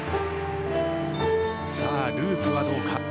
さあ、ループはどうか。